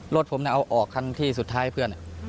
รถผมเนี่ยเอาออกที่สุดท้ายเพื่อน